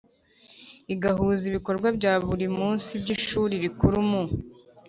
agahuza ibikorwa bya buri munsi by Ishuri Rikuru mu